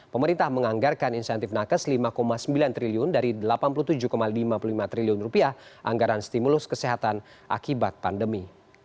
pemerintah menganggarkan insentif nakes rp lima sembilan triliun dari rp delapan puluh tujuh lima puluh lima triliun anggaran stimulus kesehatan akibat pandemi